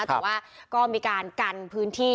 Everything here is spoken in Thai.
แต่ว่าก็มีการกันพื้นที่